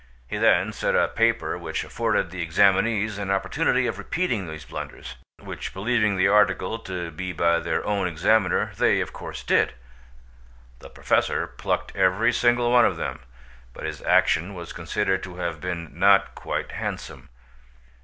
He then set a paper which afforded the examinees an opportunity of repeating these blunders—which, believing the article to be by their own examiner, they of course did. The Professor plucked every single one of them, but his action was considered to have been not quite handsome.